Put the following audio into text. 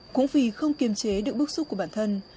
cũng vì không kiềm chế được bức xúc của bản thân